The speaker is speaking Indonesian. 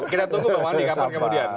kita tunggu bang wandi kemudian